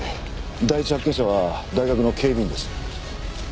第一発見者は大学の警備員です。